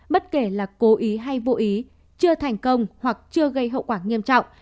bất kể là cố ý hay vô ý chưa thành công hoặc chưa gây hậu quả nghiêm trọng